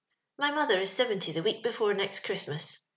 *' My mother is seventy the week before next Christmas.